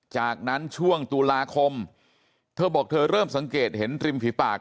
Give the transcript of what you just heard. จากนั้นช่วงตุลาคมเธอบอกเธอเริ่มสังเกตเห็นริมฝีปาก